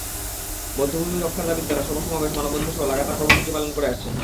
বধ্যভূমি রক্ষার দাবিতে তাঁরা সভা–সমাবেশ, মানববন্ধনসহ লাগাতার কর্মসূচি পালন করে আসছেন।